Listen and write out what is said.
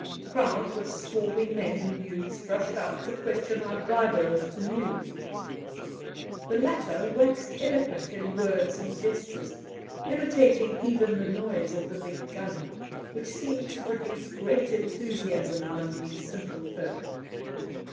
Crowds of swarthy men and youths rushed out to question our driver as to news. The latter waxed eloquent in words and gestures, imitating even the noise of the big gun, which seemed to produce great enthusiasm among these simple folk.